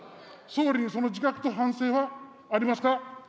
総理にその自覚と反省はありますか。